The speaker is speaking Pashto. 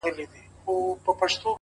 زولنې یې شرنګولې د زندان استازی راغی!